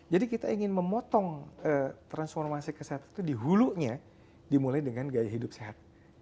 jadi kita ingin memotong transformasi kesehatan itu di hulunya dimulai dengan gaya hidup sehat